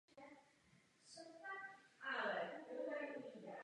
Je to nejhorší noční můra Severního Irska.